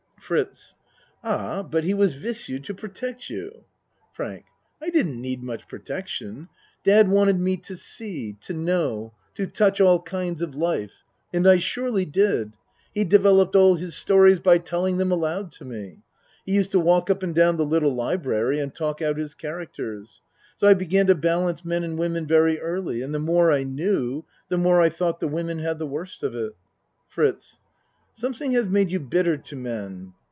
FRITZ Ah but he was with you to protect you. ACT I 35 FRANK I didn't need much protection. Dad wanted me to see to know to touch all kinds of life and I surely did. He developed all his stor ies by telling them aloud to me. He used to walk up and down the little library and talk out his char acters. So I began to balance men and women very early and the more I knew the more I tho't the women had the worst of it. FRITZ Something has made you bitter to men.